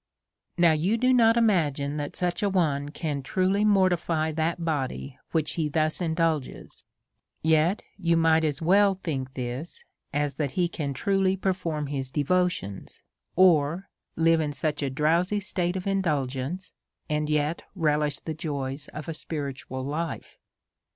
165 Now, you do not imagine that such a one can truly mortify that body which he thus indulges ; yet you might as well think this as that he can truly perform his devotions, or live in such a drowsy state of indul gence, and yet relish the joys of a spiritual life.